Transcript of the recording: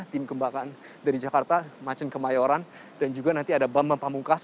tim kembangkan dari jakarta macen kemayoran dan juga nanti ada bambang pamungkas